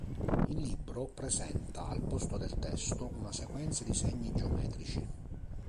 Il libro presenta, al posto del testo, una sequenza di segni geometrici.